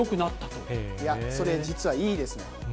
いや、それ、実はいいですね。